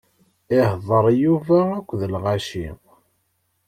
Ihḍeṛ Yuba akked lɣaci.